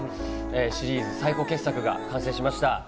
シリーズ最高傑作が完成しました。